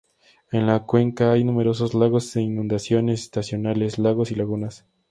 En la cuenca hay numerosos lagos de inundación estacionales, lagos, y lagunas.